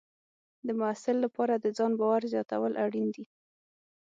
د محصل لپاره د ځان باور زیاتول اړین دي.